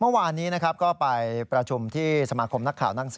กรณีนี้ทางด้านของประธานกรกฎาได้ออกมาพูดแล้ว